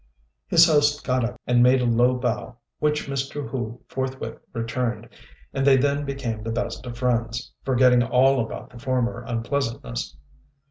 His host got up and made a low bow, which Mr. Hu forthwith returned, and they then became the best of friends, forgetting all about the former unpleasantness.